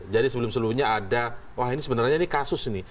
jadi sebelum sebelumnya ada wah ini sebenarnya kasus ini